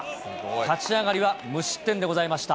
立ち上がりは無失点でございました。